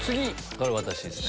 これ私ですね。